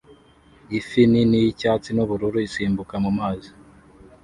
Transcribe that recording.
Ifi nini yicyatsi nubururu isimbuka mumazi